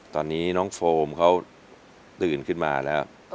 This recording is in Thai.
ตอนนี้น้องโฟมเขาตื่นขึ้นมาแล้ว